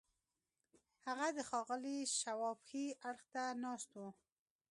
هغه د ښاغلي شواب ښي اړخ ته ناست و.